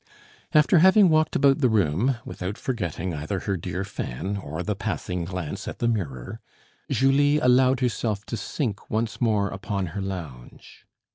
After having walked about the room (without forgetting either her dear fan or the passing glance at the mirror), Julie allowed herself to sink once more upon her lounge.